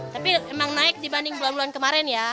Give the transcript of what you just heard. tapi emang naik dibanding bulan bulan kemarin ya